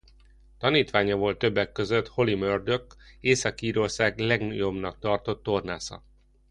Tanítványa volt többek közt Holly Murdoch Észak-Írország legjobbnak tartott tornásza.